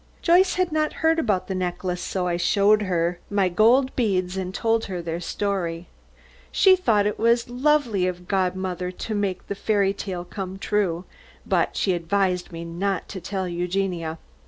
Joyce had not heard about the necklace, so I showed her my gold beads and told her their story. She thought it was lovely of godmother to make the fairy tale come true, but she advised me not to tell Eugenia.